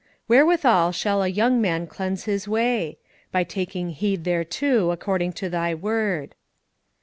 "Wherewithal shall a young man cleanse his way? By taking heed thereto, according to Thy word."